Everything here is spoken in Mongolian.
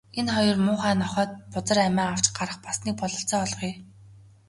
Энэ хоёр муухай нохойд бузар амиа авч гарах бас нэг бололцоо олгоё.